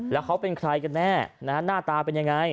แล้วเขาเป็นใครกันแน่หน้าตาเป็นยังไง